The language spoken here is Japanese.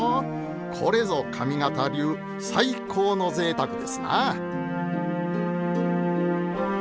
これぞ上方流最高のぜいたくですな。